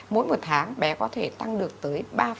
mỗi một tháng bé có thể tăng được tới